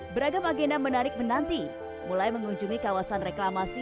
beragam agenda menarik menanti mulai mengunjungi kawasan reklamasi